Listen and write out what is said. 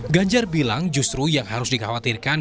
ganjar bilang justru yang harus dikhawatirkan